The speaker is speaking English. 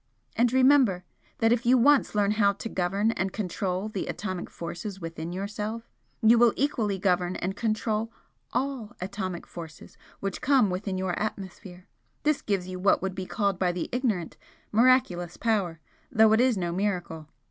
And remember, that if you once learn how to govern and control the atomic forces within yourself, you will equally govern and control all atomic forces which come within your atmosphere. This gives you what would be called by the ignorant 'miraculous' power, though it is no miracle.